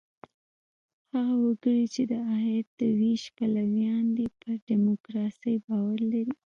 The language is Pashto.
هغه وګړي، چې د عاید د وېش پلویان دي، پر ډیموکراسۍ باور لري.